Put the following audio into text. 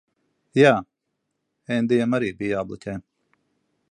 Jā. Endijam arī bija jābloķē.